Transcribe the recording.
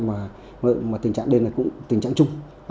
mà tình trạng đây là cũng tình trạng chung